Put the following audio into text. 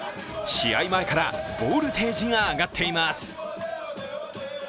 試合前からボルテージが上がっています。